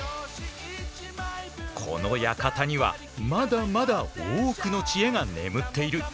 この館にはまだまだ多くの知恵が眠っている。